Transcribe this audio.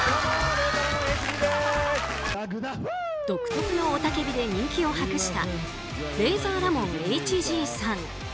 独特の雄たけびで人気を博したレイザーラモンＨＧさん。